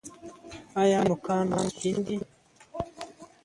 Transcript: ایا نوکان مو سپین دي؟